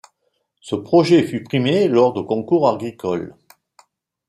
Ce projet fut primé lors de concours agricoles.